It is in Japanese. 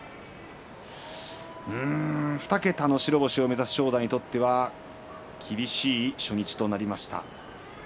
２桁の白星を目指す正代にとっては厳しい初日となりました。